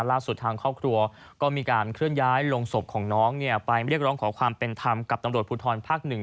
ล่าสุดทางครอบครัวก็มีการเคลื่อนย้ายลงศพของน้องไปเรียกร้องขอความเป็นธรรมกับตำรวจภูทรภาค๑